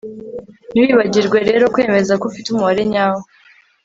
ntiwibagirwe rero kwemeza ko ufite umubare nyawo